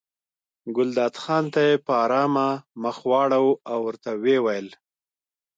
ګلداد خان ته یې په ارامه مخ واړاوه او ورته ویې ویل.